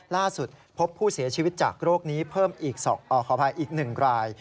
ล่าสุดพบผู้เสียชีวิตจากโรคนี้เพิ่มอีก๑ราย